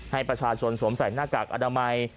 ให้ประชาชนสวมใส่หน้ากากอนามัย